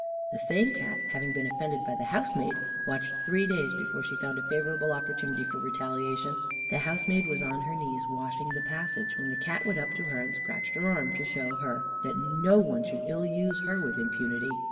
The same Cat, having been offended by the housemaid, watched three days before she found a favourable opportunity for retaliation. The housemaid was on her knees, washing the passage, when the Cat went up to her and scratched her arm, to show her that no one should illuse her with impunity.